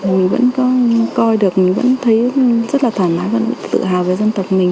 mình vẫn có coi được mình vẫn thấy rất là thoải mái và tự hào về dân tộc mình